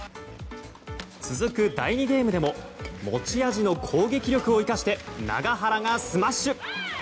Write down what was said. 続く第２ゲームでも持ち味の攻撃力を生かして永原がスマッシュ！